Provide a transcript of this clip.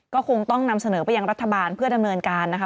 ก็คงต้องนำเสนอไปยังรัฐบาลเพื่อดำเนินการนะคะ